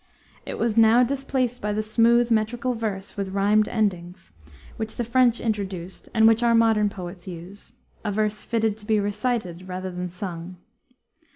It was now displaced by the smooth metrical verse with rhymed endings, which the French introduced and which our modern poets use, a verse fitted to be recited rather than sung.